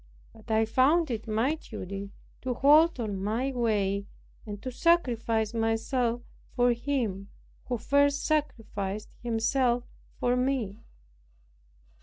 But I found it my duty to hold on my way, and to sacrifice myself for Him who first sacrificed Himself for me.